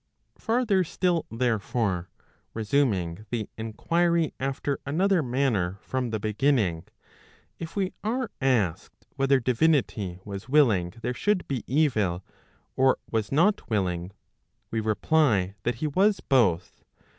Farther still therefore, resuming the enquiry after another manner from the beginning, if we are asked whether divinity was willing there should be evil, or was not willing, we reply that he was both.